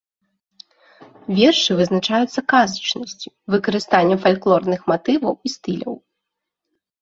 Вершы вызначаюцца казачнасцю, выкарыстаннем фальклорных матываў і стыляў.